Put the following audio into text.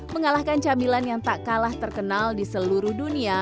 mengalahkan camilan yang tak kalah terkenal di seluruh dunia